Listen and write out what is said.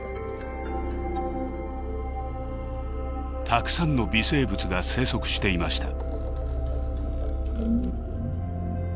たくさんの微生物が生息していました。